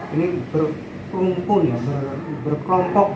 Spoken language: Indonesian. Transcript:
ini berkerumun ya berkelompok